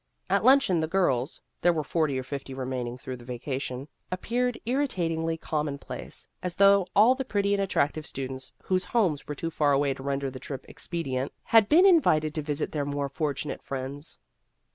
At luncheon the girls there were forty or fifty remaining through the vacation appeared irritatingly commonplace, as though all the pretty and attractive students, whose homes were too far away to render the trip expedient, had been invited to visit their more fortunate friends.